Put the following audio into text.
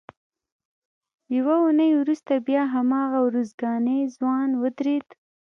یوه اونۍ وروسته بیا هماغه ارزګانی ځوان ودرېد.